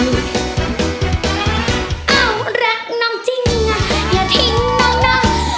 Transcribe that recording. เอ้าแหละน้องจริงอย่าทิ้งน้องน้า